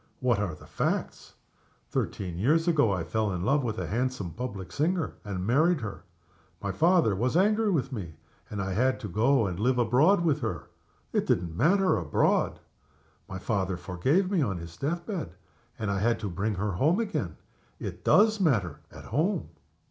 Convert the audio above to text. What are the facts? Thirteen years ago I fell in love with a handsome public singer, and married her. My father was angry with me; and I had to go and live with her abroad. It didn't matter, abroad. My father forgave me on his death bed, and I had to bring her home again. It does matter, at home.